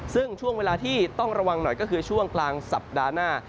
ซึ่งช่วงเวลาที่ต้องระวังหน่อยก็คือช่วงกลางสัปดาห์หน้า